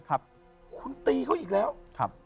ทั้ง๒ตัวเลย